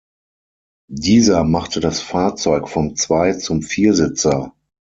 Dieser machte das Fahrzeug vom Zwei- zum Viersitzer.